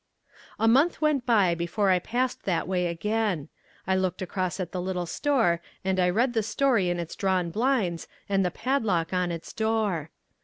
A month went by before I passed that way again. I looked across at the little store and I read the story in its drawn blinds and the padlock on its door.